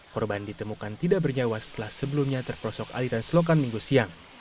korban ditemukan tidak bernyawa setelah sebelumnya terprosok aliran selokan minggu siang